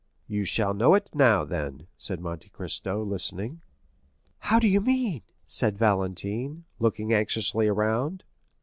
"You shall know it now, then," said Monte Cristo, listening. "How do you mean?" said Valentine, looking anxiously around.